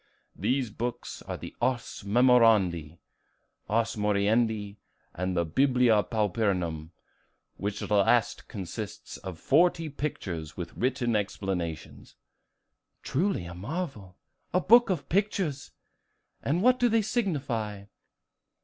These books were the 'Ars Memorandi,' 'Ars Moriendi,' and 'Biblia Pauperum,' which last consists of forty pictures, with written explanations." "Truly a marvel, a book of pictures! And what do they signify?"